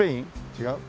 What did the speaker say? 違う？